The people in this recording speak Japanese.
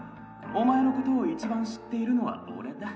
お前のことを一番知っているのは俺だ。